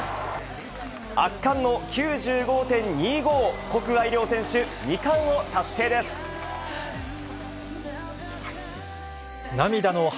圧巻の９５．２５。